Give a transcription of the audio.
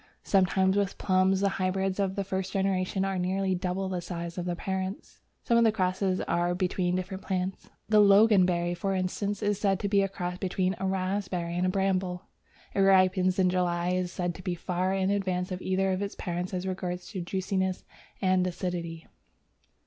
Sometimes with plums, the hybrids of the first generation are nearly double the size of their parents. Some of the crosses are between different plants. The Loganberry, for instance, is said to be a cross between a Raspberry and a Bramble. It ripens in July, and is said to be far in advance of either of its parents as regards juiciness and acidity.